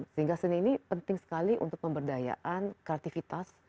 sehingga seni ini penting sekali untuk pemberdayaan kreativitas